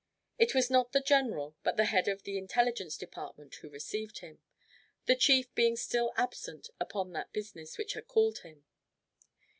It was not the general, but the head of the Intelligence Department who received him, the chief being still absent upon that business which had called him.